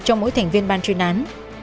trong mỗi thành viên bàn truyền án